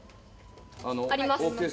あります。